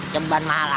jemban mahal amat